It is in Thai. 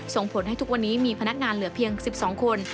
ส่งผลให้ทุกวันนี้มีพนักงานเหลือเพียง๑๒คน